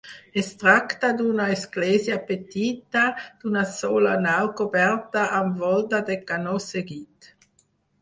Es tracta d'una església petita, d'una sola nau coberta amb volta de canó seguit.